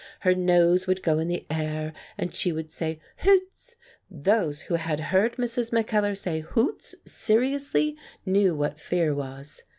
Her nose would go in the air, and she would say "Hoots! " Those who had heard Mrs. Mackellar say "Hoots" seriously, knew what fear was.